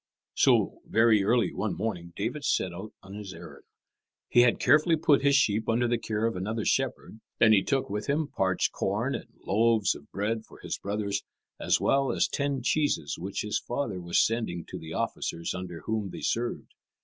So, very early one morning, David set out on his errand. He had carefully put his sheep under the care of another shepherd, and he took with him parched corn and loaves of bread for his brothers, as well as ten cheeses which his father was sending to the officers under whom they served.